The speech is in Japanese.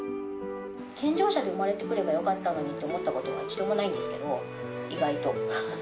健常者で産まれてくればよかったのにと思ったことは一度もないんですけど、意外と。